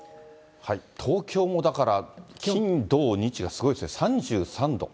東京もだから、金、土、日がすごいですね。